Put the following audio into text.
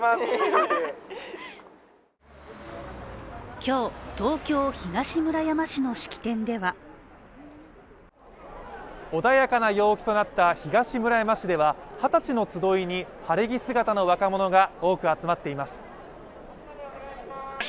今日、東京・東村山市の式典では穏やかな陽気となった東村山市では二十歳の集いに晴れ着姿の若者が多く集まっています。